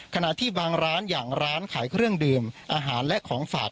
ขณะที่บางร้านอย่างร้านขายเครื่องดื่มอาหารและของฝาก